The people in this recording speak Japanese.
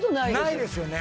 ないですよね。